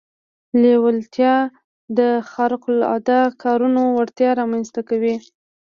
لېوالتیا د خارق العاده کارونو وړتيا رامنځته کوي.